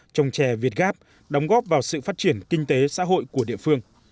trồng trè việt gáp đóng góp vào sự phát triển kinh tế xã hội của địa phương